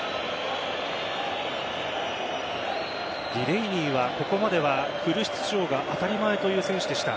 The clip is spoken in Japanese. ディレイニーは、ここまではフル出場が当たり前という選手でした。